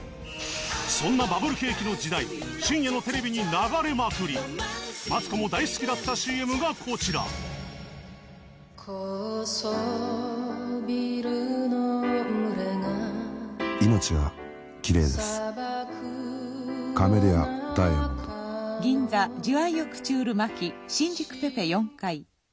そんなバブル景気の時代深夜のテレビに流れまくりマツコも大好きだったＣＭがこちら高層ビルの群れが新宿ペペ４階